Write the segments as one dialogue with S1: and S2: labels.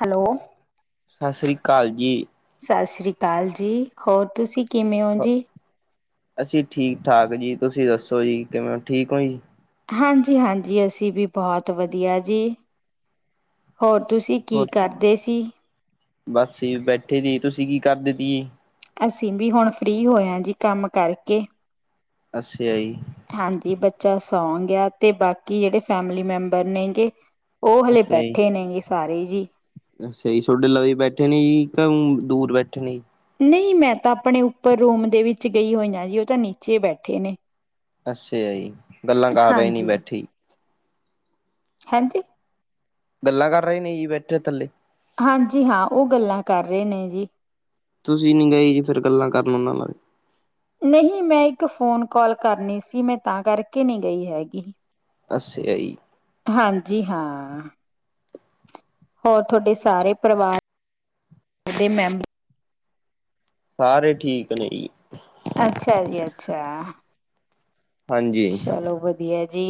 S1: Hello
S2: ਸਤਿ ਸ੍ਰੀ ਅਕਾਲ ਜੀ।
S1: ਸਤਸ਼੍ਰੀਅਕਾਲ ਜੀ। ਹੋਰ ਤੁਸੀਂ ਕਿਮੇਂ ਓਂ ਜੀ।
S2: ਅਸੀਂ ਠੀਕ ਠਾਕ ਜੀ। ਤੁਸੀਂ ਦੱਸੋ ਜੀ। ਕਿਵੇਂ ਠੀਕ ਓ ਜੀ।
S1: ਹਾਂਜੀ ਹਾਂਜੀ ਅਸੀਂ ਵੀ ਬੋਤ ਵਧੀਆ ਜੀ। ਹੋਰ ਤੁਸੀਂ ਕੀ
S2: ਹੋਰ
S1: ਕਰਦੇ ਸੀ।
S2: ਬਸ ਸੀ ਬੈਠੇ ਤੀ‌। ਤੁਸੀਂ ਕੀ ਕਰਦੇ ਤੀ।
S1: ਅਸੀਂ ਵੀ ਹੁਣ ਫ੍ਰੀ ਹੋਏ ਆਂ ਜੀ ਕੰਮ ਕਰਕੇ।
S2: ਅੱਛਿਆ ਜੀ।
S1: ਹਾਂਜੀ ਬੱਚਾ ਸੌਂ ਗਿਆ ਤੇ ਬਾਕੀ ਜੇੜੇ ਫੈਮਲੀ ਮੈਂਬਰ ਨੇ ਗੇ। ਓ ਹਲੇ
S2: ਅੱਛਾ ਜੀ
S1: ਬੈਠੇ ਨੇਗੇ ਸਾਰੇ ਜੀ।
S2: ਅੱਛਾ ਜੀ ਸੋਡੇ ਲਾਗੇ ਬੈਠੇ ਨੇ ਜੀ ਕ ਦੂਰ ਬੈਠੇ ਨੇ।
S1: ਨਈ ਮੈਂ ਤਾਂ ਆਪਣੇ ਉੱਪਰ ਰੂਮ ਦੇ ਵਿੱਚ ਗਈ ਹੋਈ ਆਂ ਜੀ। ਓ ਤਾਂ ਨੀਚੇ ਬੈਠੇ ਨੇ।
S2: ਅੱਛਿਆ ਜੀ, ਗੱਲਾਂ ਕਰ ਰੇ ਨੀ
S1: ਹਾਂਜੀ
S2: ਬੈਠੀ।
S1: ਹਾਂਜੀ।
S2: ਗੱਲਾਂ ਕਰ ਰ‌ਏ ਨੇ ਜੀ ਬੈਠੇ ਥੱਲੇ।
S1: ਹਾਂਜੀ ਹਾਂ ਓ ਗੱਲਾਂ ਕਰ ਰ‌ਏ ਨੇ ਜੀ।
S2: ਤੁਸੀਂ ਨੀ ਗਏ ਜੀ ਫਿਰ ਗੱਲਾਂ ਕਰਨ ਉਹਨਾਂ ਨਾਲ
S1: ਨਹੀਂ, ਮੈਂ ਇੱਕ ਫੋਨ ਕੋਲ ਕਰਨੀ ਸੀ। ਮੈਂ ਤਾਂ ਕਰਕੇ ਨਹੀਂ ਗਈ ਹੈਗੀ।
S2: ਅਸ ਆਈ
S1: ਹਾਂਜੀ, ਹਾਂ। ਹੋਰ ਤੁਹਾਡੇ ਸਾਰੇ ਪਰਿਵਾਰ ਦੇ ਮੈਂਬਰ
S2: ਸਾਰੇ ਠੀਕ ਨੇ ਜੀ।
S1: ਅੱਛਾ ਜੀ, ਅੱਛਾ।
S2: ਹਾਂਜੀ
S1: ਚੱਲੋ ਵਧੀਆ ਜੀ।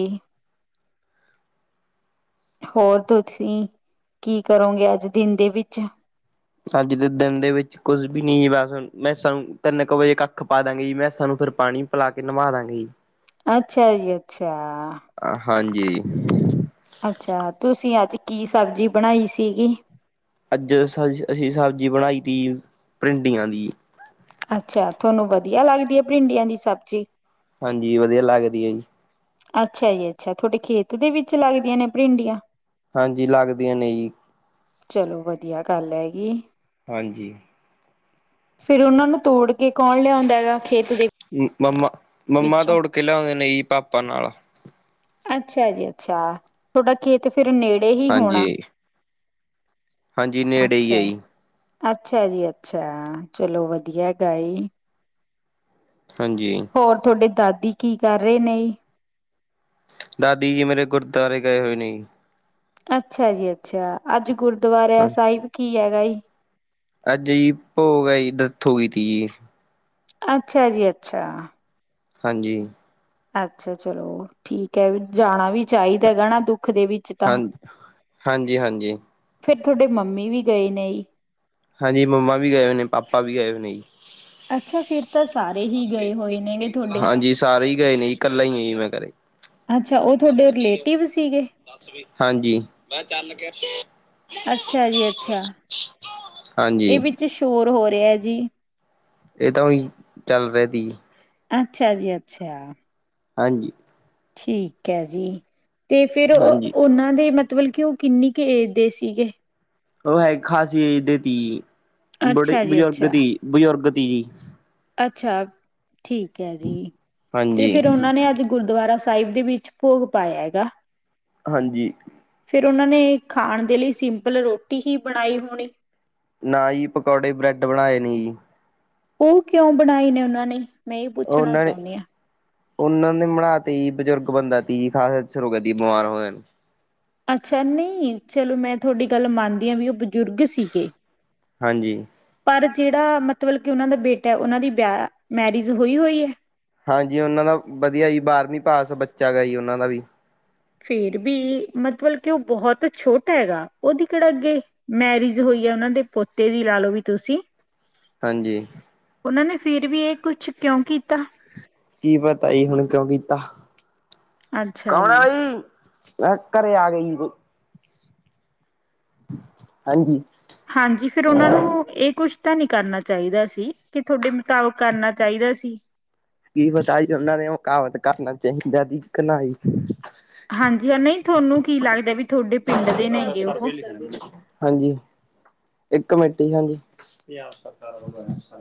S1: ਹੋਰ ਤੁਸੀਂ ਕੀ ਕਰੋਗੇ ਅੱਜ ਦਿਨ ਦੇ ਵਿੱਚ?
S2: ਅੱਜ ਦੇ ਦਿਨ ਦੇ ਵਿੱਚ ਕੁੱਝ ਵੀ ਨਹੀਂ ਬਸ ਮੈਂ ਸਾਨੂੰ ਤਿੰਨ ਕੁ ਵਜੇ ਕੱਖ ਪਾ ਦਾਂਗੇ ਜੀ ਮੈਂ ਸਾਨੂੰ ਫਿਰ ਪਾਣੀ ਲਾ ਕੇ ਨਿਭਾ ਦਾਂਗੇ ਜੀ।
S1: ਅੱਛਾ ਜੀ, ਅੱਛਾ।
S2: ਹਾਂਜੀ
S1: ਅੱਛਾ ਤੁਸੀਂ ਅੱਜ ਕੀ ਸਬਜ਼ੀ ਬਣਾਈ ਸੀਗੀ?
S2: ਅੱਜ ਸ ਅਸੀਂ ਸਬਜ਼ੀ ਬਣਾਈ ਤੀ ਭਿੰਡੀਆਂ ਦੀ।
S1: ਅੱਛਾ ਤੁਹਾਨੂੰ ਵਧੀਆ ਲੱਗਦੀ ਏ ਭਿੰਡੀਆਂ ਦੀ ਸਬਜ਼ੀ
S2: ਹਾਂਜੀ ਵਧੀਆ ਲੱਗਦੀ ਐ ਜੀ।
S1: ਅੱਛਾ ਜੀ-ਅੱਛਾ ਤੁਹਾਡੇ ਖੇਤ ਦੇ ਵਿੱਚ ਲੱਗਦੀਆਂ ਨੇ ਭਿੰਰਡੀਆਂ
S2: ਹਾਂਜੀ ਲੱਗਦੀਆਂ ਨੇ ਜੀ।
S1: ਚਲੋ ਵਧੀਆ ਗੱਲ ਹੈਗੀ।
S2: ਹਾਂਜੀ।
S1: ਫੇਰ ਉਹਨਾਂ ਨੂੰ ਤੋੜ ਕੇ ਕੌਣ ਲਿਆਉਂਦਾ ਹੈਗਾ ਖੇਤ ਦੀ
S2: ਮੰਮਾ-ਮੰਮਾ ਤ ੜੋੜ ਕੇ ਲਿਆਉਂਦੇ ਨੇ ਜੀ ਪਾਪਾ ਨਾਲ
S1: ਅੱਛਾ ਜੀ-ਅੱਛਾ ਤੁਹਾਡਾ ਖੇਤ ਫੇਰ ਨੇੜੇ ਹੀ ਹੋਣਾ।
S2: ਹਾਂਜੀ। ਹਾਂਜੀ ਨੇੜੇ ਹੀ ਹੈ
S1: ਅੱਛਾ।
S2: ਜੀ,
S1: ਅੱਛਾ ਜੀ-ਅੱਛਾ ਚਲੋ ਵਧੀਆ ਹੈਗਾ ਜੀ
S2: ਹਾਂਜੀ।
S1: ਹੋਰ ਤੁਹਾਡੇ ਦਾਦੀ ਕੀ ਕਰ ਰਹੇ ਨੇ?
S2: ਦਾਦੀ ਜੀ ਮੇਰੇ ਗੁਰਦੁਆਰੇ ਗਏ ਹੋਏ ਨੇ ਜੀ-
S1: ਅੱਛਾ ਜੀ-ਅੱਛਾ ਅੱਜ ਗੁਰਦੁਆਰਿਆ
S2: ਹਾਂਜੀ।
S1: ਸਾਹਿਬ ਕੀ ਹੈਗਾ ਹੈਈ?
S2: ਅੱਜ ਜੀ ਭੋਗ ਈ ਡੈਥ ਹੋ ਗਈ ਥੀ।
S1: ਅੱਛਾ ਜੀ-ਅੱਛਾ।
S2: ਹਾਂਜੀ।
S1: ਅੱਛਾ ਚਲੋ ਠੀਕ ਐ ਜਾਣਾ ਵੀ ਚਾਹੀਦਾ ਹੈਗਾ ਨਾ ਦੁੱਖ ਦੇ ਵੀ-
S2: ਹਾਂ, ਹਾਂਜੀ-ਹਾਂਜੀ।
S1: ਫਿਰ ਤੁਹਾਡੇ ਮੰਮੀ ਵੀ ਗਏ ਨੇ ਈ
S2: ਹਾਂਜੀ ਮੰਮਾ ਵੀ ਗਏ ਹੋਏ ਨੇ ਪਾਪਾ ਵੀ ਗਏ ਹੋਏ ਨੇ ਜੀ।
S1: ਅੱਛਾ, ਫਿਰ ਤਾਂ ਸਾਰੇ ਹੀ ਗਏ ਹੋਏ ਵੀ ਤੁਹਾਡੇ।
S2: ਹਾਂਜੀ ਸਾਰੇ ਹੀ ਗਏ ਨੇ ਇਕੱਲਾ ਹੀ ਮੈਂ ਘੱਰੇ।
S1: ਅੱਛਾ ਉਹ ਤੁਹਾਡੇ
S2: ਲੜਦੀ ਆ
S1: ਰਿਲੇਟਿਵ ਸੀਗੇ
S2: ਦੱਸ ਵੀ ਹਾਂਜੀ ਮੈਂ ਚੱਲ ਗਿਆ।
S1: ਅੱਛਾ ਜੀ ਅੱਛਾ।
S2: ਹਾਂਜੀ।
S1: ਤੋਰ ਹੋ ਰਿਹਾ ਜੀ।
S2: ਇਹ ਤਾਂ ਉਹੀ ਚੱਲ ਰਿਹਾ ਤੀ
S1: ਅੱਛਾ ਜੀ-ਅੱਛਾ।
S2: ਹਾਂਜੀ।
S1: ਠੀਕ ਐ। ਜੀ ਤੇ ਫਿਰ
S2: ਹਾਂਜੀ
S1: ਉਹਨਾਂ ਦੇ ਮ ਬਲਕਿ ਉਹ ਕਿੰਨੀ ਕੁ ਏਜ ਦੇ ਸੀਗੇ?
S2: ਉਹ ਹੈ ਖਾਸੀ ਦੇ ਤੀ, ਬੜੇ
S1: ਅੱਛਾ ਜੀ
S2: ਬਜ਼ੁਰਗ
S1: ਅੱਛਾ,
S2: ਦੀ ਬਜ਼ੁਰਗ ਦੀ।
S1: ਅੱਛਾ ਠੀਕ ਹੈ ਜੀ ਤੇ
S2: ਹਾਂਜੀ
S1: ਫੇਿਰ ਉਹਨਾਂ ਨੇ ਅੱਜ ਗੁਰਦੁਆਰਾ ਸਾਹਿਬ ਦੇ ਵਿੱਚ ਭੋਗ ਪਾਇਆ ਹੈਗਾ।
S2: ਹਾਂਜੀ।
S1: ਫਿਰ ਉਹਨਾਂ ਨੇ ਖਾਣ ਦੇ ਲਈ ਸਿੰਪਲ ਰੋਟੀ ਹੀ ਬਣਾਈ ਹੋਣੀ।
S2: ਨਾ ਈ, ਪਕੌੜੇ ਬ੍ਰੈਡ ਬਣਾਏ ਨੀ।
S1: ਉਹ ਕਿਉਂ ਬਣਾਏ ਨੇ, ਉਹਨਾਂ ਨੇ? ਮੈਂ ਇਹ ਪੁੱਛਣਾ
S2: ਉਹਨਾਂ ਨੇ
S1: ਚਾਹੁੰਦੀ ਹਾਂ।
S2: ਉਹਨਾਂ ਦੇ ਮਨਾਤੀ, ਬਜ਼ੁਰਗ ਬੰਦਾ ਤੀ ਖਾਸ ਸ਼ੁਰੂ ਕਰਦੀ ਬਿਮਾਰ ਹੋਇਆ ਨੂੰ।
S1: ਅੱਛਾ ਨਹੀਂ! ਚਲੋ ਮੈਂ ਤੁਹਾਡੀ ਗੱਲ ਮੰਨਦੀ ਆਂ, ਵੀ ਉਹ ਬਜ਼ੁਰਗ ਸੀਗੇ
S2: ਹਾਂਜੀ।
S1: ਪਰ ਜਿਹੜਾ, ਮਤਲਬ ਕਿ ਉਹਨਾਂ ਦਾ ਬੇਟਾ ਉਹਨਾਂ ਦੀ ਵਿਆ, ਮੈਰਿਜ ਹੋਈ-ਹੋਈ ਹੈ।
S2: ਹਾਂਜੀ, ਉਹਨਾਂ ਦਾ ਵਧੀਆ ਜੀ, ਬਾਰਵੀਂ ਪਾਸ ਬੱਚਾ ਗਾ ਜੀ, ਉਹਨਾਂ ਦਾ ਵੀ।
S1: ਫੇਰ ਵੀ, ਮਤਬਲ ਕਿ, ਉਹ ਬਹੁਤ ਛੋਟਾ ਹੈਗਾ, ਉਹਦੀ ਕਿਹੜਾ ਅੱਗੇ ਮੈਰਿਜ ਹੋਈ ਆ ਉਹਨਾਂ ਦੇ ਪੋਤੇ ਦੀ, ਲਾਲੋ ਵੀ ਤੁਸੀਂ।
S2: ਹਾਂਜੀ
S1: ਉਹਨਾਂ ਨੇ ਫਿਰ ਵੀ ਇਹ ਕੁਛ, ਕਿਉਂ ਕੀਤਾ?
S2: ਕੀ ਪਤਾ ਈ, ਹੁਣ ਕਿਉਂ ਕੀਤਾ, ਕੌਣ ਆ ਜੀ? ਅ ਘਰੇ ਆ ਗਈ ਹਾਂਜੀ।
S1: ਹਾਂਜੀ, ਫਿਰ ਉਹਨਾਂ ਨੂੰ, ਇਹ ਕੁਛ ਤਾਂ‌ ਨਹੀਂ ਕਰਨਾ ਚਾਹੀਦਾ ਸੀ। ਕਿ, ਤੁਹਾਡੇ ਮੁਤਾਬਕ ਕਰਨਾ ਚਾਹੀਦਾ ਸੀ।
S2: ਕੀ ਪਤਾ ਅਹੀ ਤੇ ਉਹਨਾਂ ਦੇ ਮੁਕਾਬਤ ਕਰਨਾ ਚਾਹੀਦਾ ਤੀ, ਕ ਣਾਈ।
S1: ਹਾਂਜੀ, ਹਾਂ, ਨਹੀਂ ਥੋਨੂੰ ਕੀ ਲੱਗਦਾ ਵੀ ਤੁਹਾਡੇ ਪਿੰਡ ਦੇ ਨੇਗੇ
S2: ਸਰ
S1: ਉਹ
S2: ਬੇਲੀ, ਹਾਂਜੀ। ਇੱਕ ਮਿੰਟ ਈ, ਹਾਂਜੀ। ਪੰਜਾਬ ਸਰਕਾਰ ਵੱਲੋ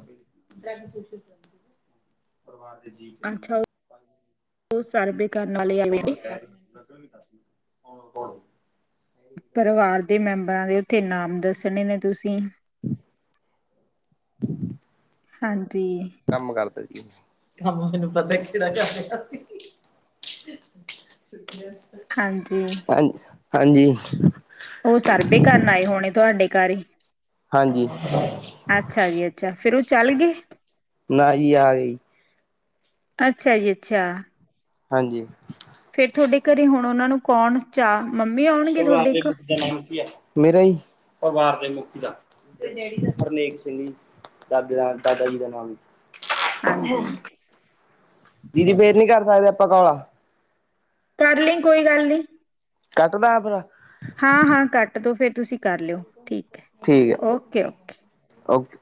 S2: ਪਰਿਵਾਰ ਦੇ ਜੀ, ਕਿੰਨੇ?
S1: ਅੱਛਾ ਉਹ ਸਰਬੇ ਕਰਨ ਵਾਲੇ ਆਏ ਹੋਏ ਨੇ।
S2: ਹ ਹੋਰ
S1: ਪਰਿਵਾਰ ਦੇ ਮੈਂਬਰਾਂ ਦੇ ਉੱਥੇ ਨਾਮ ਦੱਸ ਸਣੇਨੇ ਨੇ ਤੁਸੀਂ, ਹਾਂਜੀ।
S2: ਕੰਮ ਕਰਦਾ ਸੀ, ਕੰਮ ਮੈਨੂੰ ਪਤਾ ਕਿਹੜਾ ਕਰ ਰਿਹਾ ਸੀ।
S1: ਹਾਂਜੀ
S2: ਹਾਂ, ਹਾਂਜੀ।
S1: ਉਹ ਸਰਬੇ ਕਰਨ ਆਏ ਹੋਣੇ, ਤੁਹਾਡੇ ਘਰ ਹੀ।
S2: ਹਾਂਜੀ।
S1: ਅੱਛਾ ਜੀ, ਅੱਛਾ। ਫਿਰ ਉਹ ਚੱਲ ਗਏ?
S2: ਨਾ ਈ ਆਗੀ।
S1: ਅੱਛਾ ਜੀ, ਅੱਛਾ।
S2: ਹਾਂਜੀ।
S1: ਫੇਰ ਤੁਹਾਡੇ ਘਰੇ ਹੁਣ ਉਹਨਾਂ ਨੂੰ, ਕੌਣ ਚਾਹ? ਮੰਮੀ ਆਉਣਗੇ ਥੋਡੇ ਇੱਕ।
S2: ਤੇਰਾ ਨਾਮ ਕੀ ਐ? ਮੇਰਾ ਈ? ਪਰਿਵਾਰ ਦੇ ਮੁੱਖੀ ਦਾ ਹਰਨੇਕ ਸਿੰਘ ਜੀ। ਦਾਦੇ ਦਾ ਨਾਂ, ਦਾਦਾ ਜੀ ਦਾ ਨਾਮ।
S1: ਹਾਂਜੀ
S2: ਦੀਦੀ ਫੇਰ ਨੀ ਕਰ ਸਕਦੇ, ਆਪਾਂ ਕੌਲ?
S1: ਕਰ ਲਈਂ, ਕੋਈ ਗੱਲ ਨਹੀਂ।
S2: ਕੱਟਦਾ ਤੁੰ?
S1: ਹਾਂ-ਹਾਂ ਕੱਟਦੋ, ਫਿਰ ਤੁਸੀਂ ਕਰ ਲਿਓ ਠੀਕ ਹੈ।
S2: ਠੀਕ ਹੈ
S1: ਓਕੇ-ਓਕੇ।
S2: ਓਕੇ।